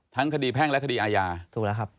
ทั้งคดีแพ่งและคดีอาญาถูกแล้วครับ